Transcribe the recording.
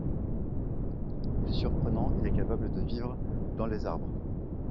Plus surprenant, il est capable de vivre dans les arbres.